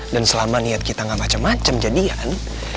dan selama niat kita gak macem macem jadian